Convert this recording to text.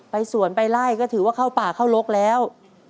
สวนไปไล่ก็ถือว่าเข้าป่าเข้ารกแล้ว